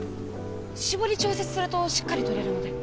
絞り調節するとしっかり撮れるので。